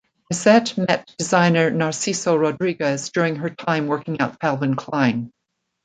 Bessette met designer Narciso Rodriguez during her time working at Calvin Klein.